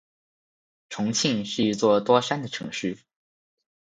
重庆是一座多山的城市。